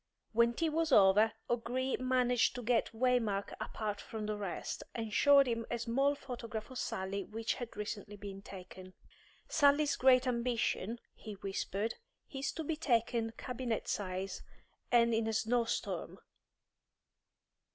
When tea was over, O'Gree managed to get Waymark apart from the rest, and showed him a small photograph of Sally which had recently been taken. "Sally's great ambition," he whispered, "is to be taken cabinet size, and in a snow storm.